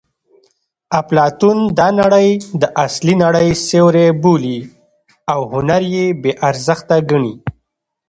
اپلاتون دا نړۍ د اصلي نړۍ سیوری بولي او هنر یې بې ارزښته ګڼي